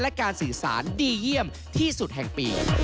และการสื่อสารดีเยี่ยมที่สุดแห่งปี